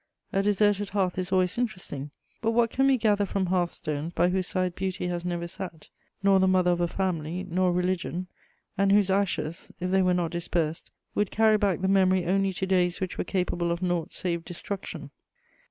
A deserted hearth is always interesting; but what can we gather from hearth stones by whose side beauty has never sat, nor the mother of a family, nor religion, and whose ashes, if they were not dispersed, would carry back the memory only to days which were capable of nought save destruction?